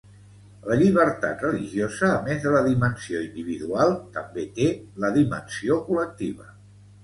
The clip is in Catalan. La llibertat religiosa, a més de la dimensió individual, també té la dimensió col·lectiva.